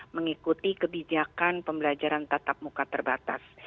mengikuti kebijakan pembelajaran tatap muka terbatas